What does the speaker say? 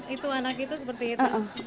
itu anak itu seperti itu